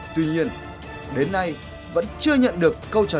tuy nhiên đến nay vẫn chưa nhận được câu trả lời